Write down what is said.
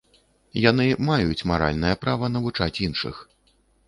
Яны маюць маральнае права навучаць іншых.